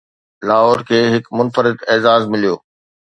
لاهور کي هڪ منفرد اعزاز مليو